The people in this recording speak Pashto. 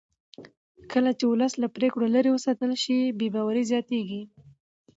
کله چې ولس له پرېکړو لرې وساتل شي بې باوري زیاتېږي